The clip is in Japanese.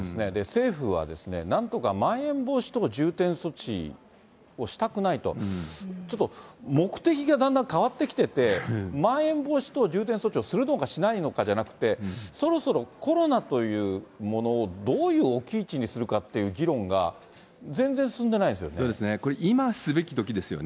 政府はですね、なんとか、まん延防止等重点措置をしたくないと、ちょっと目的がだんだん変わってきてて、まん延防止等重点措置をするのかしないのかじゃなくて、そろそろコロナというものをどういう置き位置にするかっていう議そうですよね、これ、今、今ですよ。